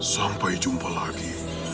sampai jumpa lagi